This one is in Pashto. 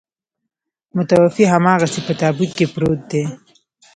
متوفي هماغسې په تابوت کې پروت دی.